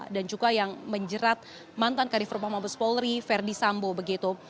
dan juga yang menjerat mantan karif rumah mahbub spolri ferdi sambo begitu